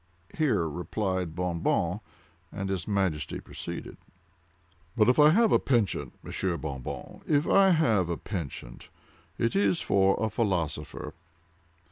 "Hic cup!" here replied Bon Bon, and his majesty proceeded: "But if I have a penchant, Monsieur Bon Bon—if I have a penchant, it is for a philosopher.